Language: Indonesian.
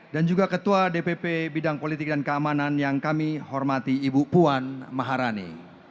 dan juga ketua dpp bidang politik dan keamanan yang kami hormati ibu puan maharani